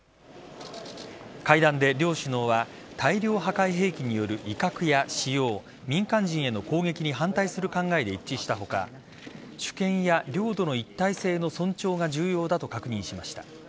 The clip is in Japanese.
会談で両首脳は大量破壊兵器による威嚇や使用民間人への攻撃に反対する考えで一致した他主権や領土の一体性の尊重が重要だと確認しました。